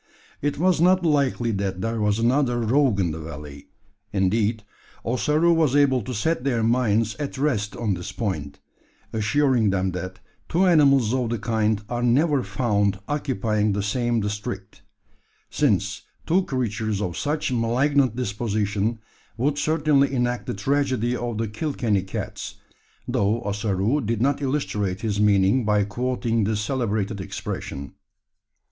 It was not likely that there was another rogue in the valley. Indeed, Ossaroo was able to set their minds at rest on this point assuring them that two animals of the kind are never found occupying the same district: since two creatures of such malignant dispositions would certainly enact the tragedy of the Kilkenny cats though Ossaroo did not illustrate his meaning by quoting this celebrated expression.